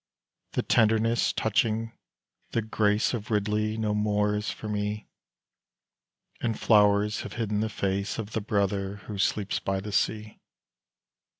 The tenderness touching the grace Of Ridley no more is for me; And flowers have hidden the face Of the brother who sleeps by the sea.